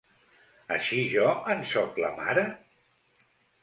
Així jo en sóc la mare?